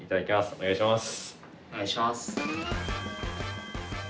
お願いします。